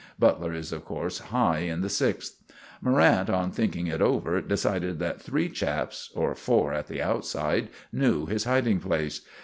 Butler is, of course, high in the Sixth. Morrant, on thinking it over, decided that three chaps, or four at the outside, knew his hiding place.